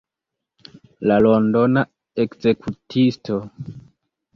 La Londona ekzekutisto.